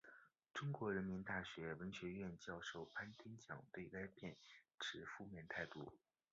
中国人民大学文学院教授潘天强对该片持负面态度。